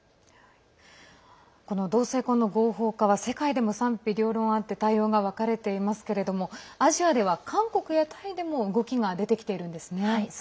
この同性婚の合法化は世界でも賛否両論あって対応が分かれていますけれどもアジアでは韓国やタイでも動きが出てきているんですね。